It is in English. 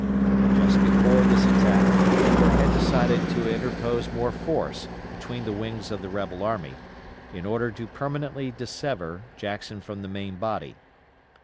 Just before this attack, Hooker had decided to interpose more force between the wings of the rebel army, in order to permanently dissever Jackson from the main body.